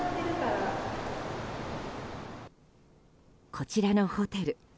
こちらのホテル